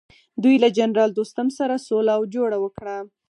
دوی له جنرال دوستم سره سوله او جوړه وکړه.